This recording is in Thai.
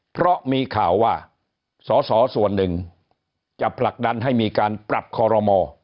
เพราะมีข่าวว่าสอสอส่วนหนึ่งจะผลักดันให้มีการปรับคอรมอ